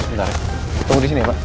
sebentar tunggu disini ya pak